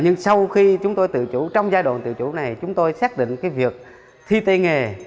nhưng sau khi chúng tôi tự chủ trong giai đoạn tự chủ này chúng tôi xác định cái việc thi tây nghề